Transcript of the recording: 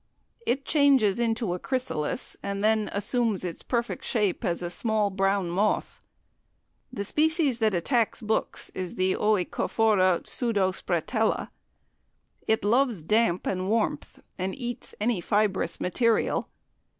It changes into a chrysalis, and then assumes its perfect shape as a small brown moth. The species that attacks books is the OEcophora pseudospretella. It loves damp and warmth, and eats any fibrous material.